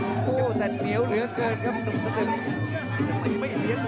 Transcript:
โอ้แต่เดี๋ยวเหลือเกินครับสุดท้ายไม่เห็นเลี้ยงจริงครับ